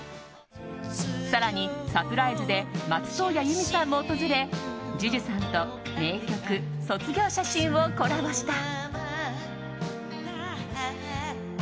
更に、サプライズで松任谷由実さんも訪れＪＵＪＵさんと名曲「卒業写真」をコラボした。